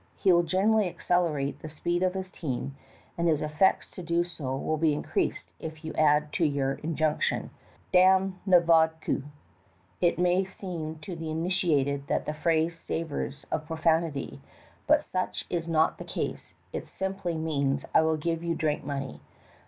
He will generally accelerate the speed of his team, and his efforts to do so will be increased if you add to your injunction, "Ham na vodkuP It may seem to the uninitiated that the phrase savors of profanity, but such is not the case; it simply means "I will give you drink money."